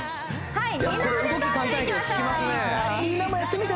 はい